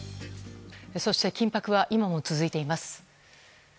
そして緊迫は今も続いています。